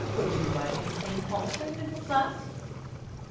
Would you like anything altered in the flat?"